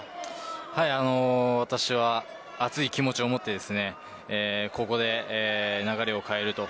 私は熱い気持ちをもってここで流れを変えると。